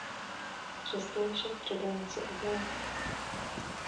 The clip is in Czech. Přesto je však třeba něco udělat.